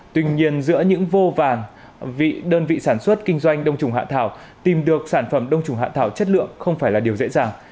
tuy nhiên giữa những vô vàng đơn vị sản xuất kinh doanh đông trùng hạ thảo tìm được sản phẩm đông trùng hạ thảo chất lượng không phải là điều dễ dàng